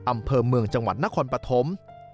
อำเภอเมืองจังหวัดนครปฐม